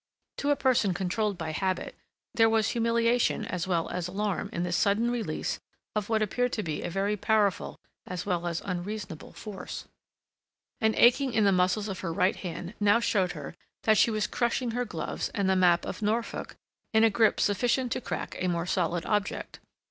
To a person controlled by habit, there was humiliation as well as alarm in this sudden release of what appeared to be a very powerful as well as an unreasonable force. An aching in the muscles of her right hand now showed her that she was crushing her gloves and the map of Norfolk in a grip sufficient to crack a more solid object.